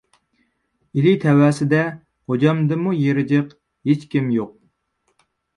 ئىلى تەۋەسىدە غوجامدىنمۇ يېرى جىق ھېچكىم يوق.